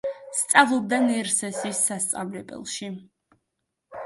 სწავლობდა ნერსესის სასწავლებელში.